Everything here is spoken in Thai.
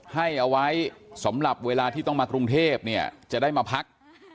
ให้เอาไว้สำหรับเวลาที่ต้องมากรุงเทพเนี่ยจะได้มาพัก